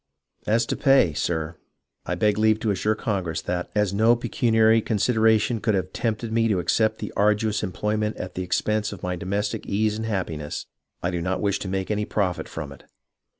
As to pay, sir, I beg leave to assure the congress that, as no pecuniary consideration could have tempted me to accept the arduous employment at the expense of my domestic ease and happiness, I do not wish to make any profit from it.